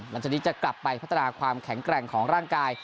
หลังจากนี้จะกลับไปพัฒนาความแข็งแกร่งของร่างกาย